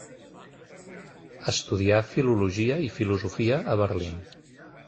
Estudià filologia i filosofia a Berlín.